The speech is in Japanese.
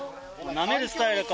なめるスタイルか？